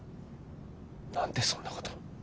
何でそんなこと。